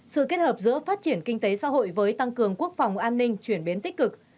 sự kết hợp giữa phát triển kinh tế xã hội với tăng cường quốc phòng an ninh chuyển biến tích cực